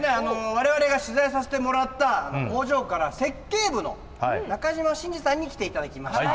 我々が取材させてもらった工場から設計部の中島伸治さんに来て頂きました。